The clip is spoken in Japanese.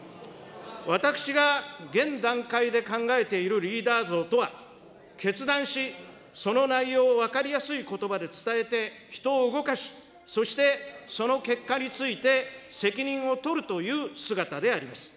私が現段階で考えているリーダー像とは、決断し、その内容を分かりやすいことばで伝えて人を動かし、そして、その結果について責任を取るという姿であります。